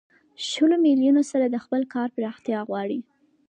شلو میلیونو سره د خپل کار پراختیا غواړي